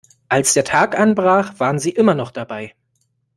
Als der Tag anbrach waren sie immer noch dabei.